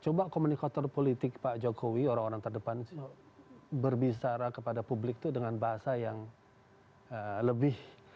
coba komunikator politik pak jokowi orang orang terdepan berbicara kepada publik itu dengan bahasa yang lebih